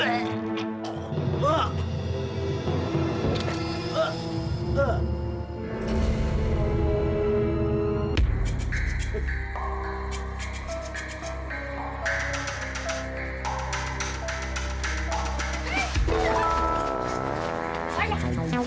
sus kesala dalam sini bilmiyorum